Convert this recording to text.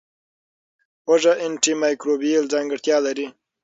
هوږه انټي مایکروبیل ځانګړتیا لري.